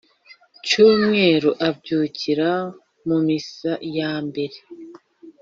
cyumweru abyukira mu missa ya mbere